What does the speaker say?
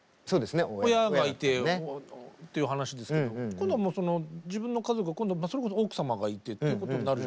親がいてっていう話ですけど今度は自分の家族はそれこそ奥様がいてっていうことになるじゃないですか。